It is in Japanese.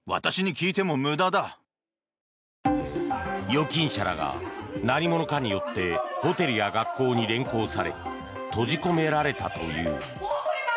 預金者らが何者かによってホテルや学校に連行され閉じ込められたという。